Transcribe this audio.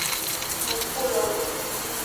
Suku lo.